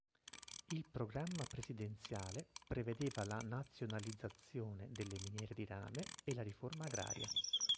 Il programma presidenziale prevedeva la nazionalizzazione delle miniere di rame e la riforma agraria.